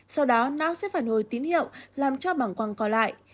sau đó não sẽ phản hồi tín hiệu làm cho bằng quang co lại